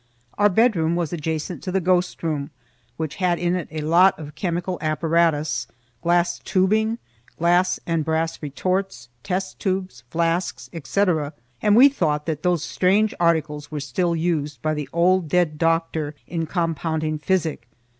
Our bedroom was adjacent to the ghost room, which had in it a lot of chemical apparatus,—glass tubing, glass and brass retorts, test tubes, flasks, etc.,—and we thought that those strange articles were still used by the old dead doctor in compounding physic.